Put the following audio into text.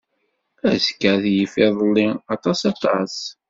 Azekka ad yif idelli aṭas aṭas.